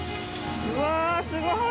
うわすごい！